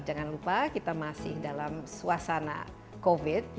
jangan lupa kita masih dalam suasana covid